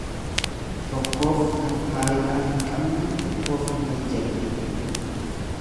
Tokkoof kan faayidaa hin qabne tokkoof ni fayyada jechuudha.